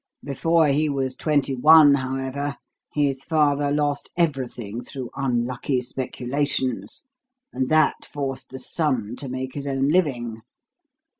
Before he was twenty one, however, his father lost everything through unlucky speculations, and that forced the son to make his own living.